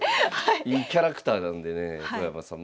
いいキャラクターなんでね横山さん